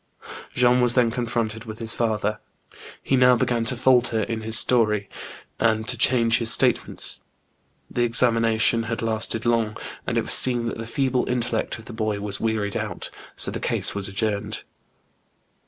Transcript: Jean was then confronted with his father. He now 96 THE BOOK OF WERE WOLVES. began to faltor in his story, and to change his state ments. The examination had lasted long, and it was soon that the feeble intellect of the boy was wearied out, so the case was adjourned.